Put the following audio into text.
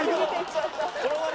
そのまま？